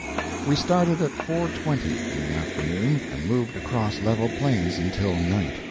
We started at 4.20 in the afternoon, and moved across level plains until night.